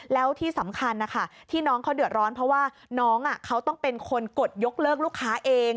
แล้วที่สำคัญนะคะที่น้องเขาเดือดร้อนเพราะว่าน้องเขาต้องเป็นคนกดยกเลิกลูกค้าเอง